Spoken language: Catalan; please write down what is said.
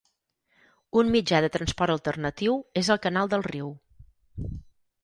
Un mitjà de transport alternatiu és el canal del riu.